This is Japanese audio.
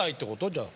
じゃあ。